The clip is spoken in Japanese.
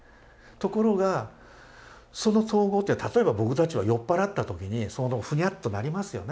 ところがその統合って例えば僕たちは酔っ払った時にふにゃっとなりますよね。